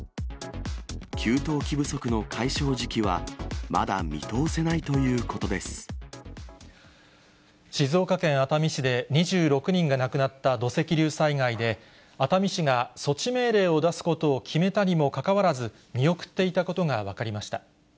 給湯器不足の解消時期は、静岡県熱海市で２６人が亡くなった土石流災害で、熱海市が措置命令を出すことを決めたにもかかわらず、見送っていたことが分かりました。